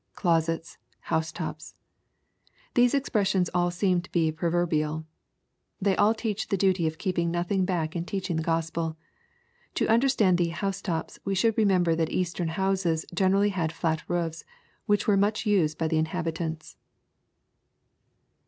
closet6..Jiou8eiops.'] These expressions all seem to be proverbial They all teach the duty of keeping nothing back in teaching the Gospel. To understand the " housetops, ' we should remember that Eastern houses generally had flat roofe. which were much used by the inhabitants.